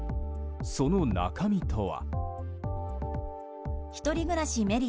その中身とは。